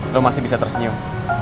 lo masih bisa tersenyum